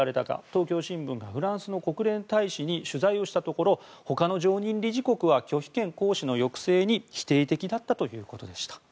東京新聞がフランスの国連大使に取材をしたところ他の常任理事国は拒否権行使の抑制に否定的だったということでした。